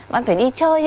bạn phải đi chơi